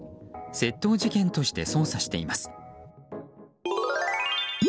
窃盗事件として捜査しています。